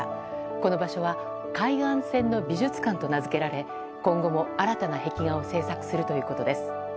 この場所は海岸線の美術館と名付けられ今後も新たな壁画を制作するということです。